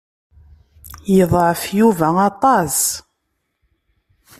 Yeḍɛef Yuba aṭas.